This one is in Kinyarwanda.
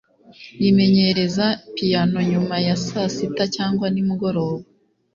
yimenyereza piyano nyuma ya saa sita cyangwa nimugoroba